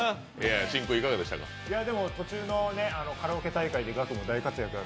途中のカラオケ大会でガク君大活躍で。